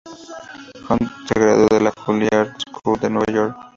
Hunt se graduó de la Juilliard School de Nueva York.